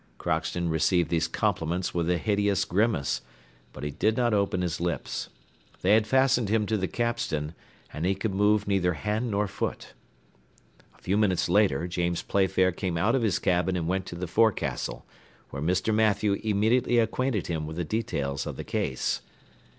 Crockston received these compliments with a hideous grimace, but he did not open his lips. They had fastened him to the capstan, and he could move neither hand nor foot. A few minutes later James Playfair came out of his cabin and went to the forecastle, where Mr. Mathew immediately acquainted him with the details of the case.